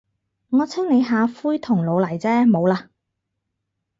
我清理下灰同老泥啫，冇喇。